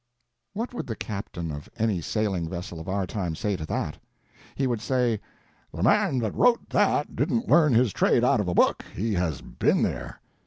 What would the captain of any sailing vessel of our time say to that? He would say, "The man that wrote that didn't learn his trade out of a book, he has been there!"